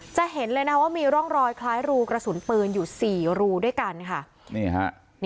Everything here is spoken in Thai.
จะเห็นเลยนะว่ามีร่องรอยคล้ายรูกระสุนปืนอยู่สี่รูด้วยกันค่ะนี่ฮะ